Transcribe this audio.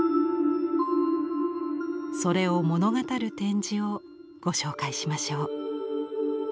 それを物語る展示をご紹介しましょう。